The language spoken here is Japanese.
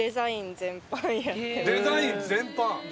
デザイン全般。